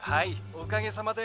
おかげさまで」。